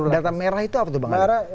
data merah itu apa bang ali